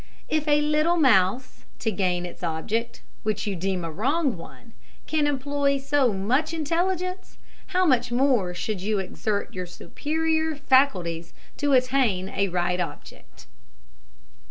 If a little mouse, to gain its object, which you deem a wrong one, can employ so much intelligence, how much more should you exert your superior faculties to attain a right object.